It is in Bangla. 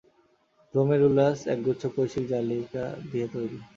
গ্লোমেরুলাস একগুচ্ছ কৌশিক জালিকা দিয়ে তৈরি।